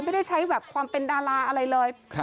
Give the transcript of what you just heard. ไม่ได้ใช้แบบความเป็นดาราอะไรเลย